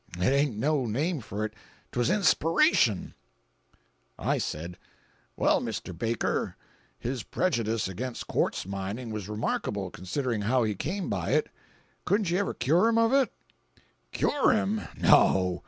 It ain't no name for it. 'Twas inspiration!" I said, "Well, Mr. Baker, his prejudice against quartz mining was remarkable, considering how he came by it. Couldn't you ever cure him of it?" "Cure him! No!